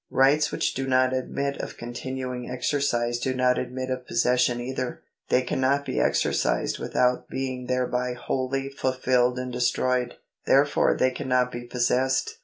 Rights which do not admit of continuing exercise do not admit of possession either. They cannot be exercised without being thereby wholly fulfilled and destroyed ; therefore they cannot be possessed.